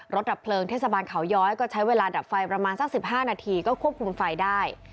ดับเพลิงเทศบาลเขาย้อยก็ใช้เวลาดับไฟประมาณสัก๑๕นาทีก็ควบคุมไฟได้